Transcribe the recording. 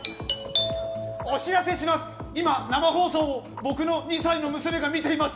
お知らせします、今、生放送を僕の２歳の娘が見ています。